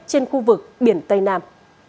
trên khu vực biển tây nam